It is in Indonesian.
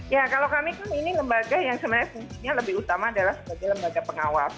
ya kalau kami kan ini lembaga yang sebenarnya fungsinya lebih utama adalah sebagai lembaga pengawas